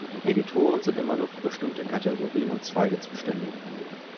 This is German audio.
Editoren sind immer nur für bestimmte Kategorien und Zweige zuständig.